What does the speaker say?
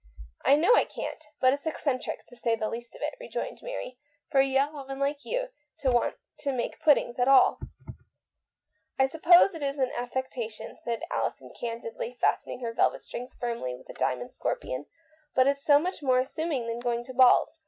" I know I can't ; but it's eccentric — to say the least of it," rejoined Mary, " for a young 150 THE 8T0RY OF A MODERN WOMAN. woman like you to want to make puddings at all." " I suppose it is an affectation," said Alison candidly, fastening her velvet strings firmly with a diamond scorpion, " but it's so much more amusing than going to balls.